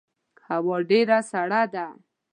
هوا ډیره سړه ده